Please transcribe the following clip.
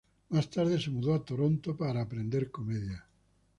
Más tarde se mudó a Toronto para aprender comedia.